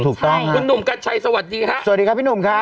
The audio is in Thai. ถูกต้องคุณหนุ่มกัญชัยสวัสดีครับสวัสดีครับพี่หนุ่มครับ